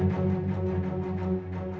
perannya kaget alah